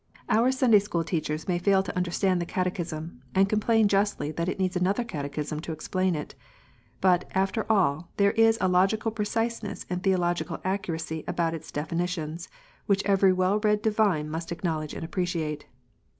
Our Sunday school teachers may fail to understand the Catechism, and complain justly that it needs another Catechism to explain it. But, after all, there is a logical preciseness and theological accuracy about its definitions, which every well read divine must acknow ledge and appreciate.